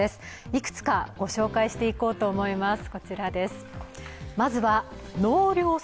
いくつかご紹介していこうと思います。